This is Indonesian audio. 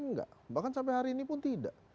enggak bahkan sampai hari ini pun tidak